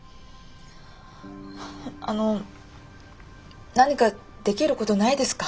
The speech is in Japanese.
あの何かできることないですか？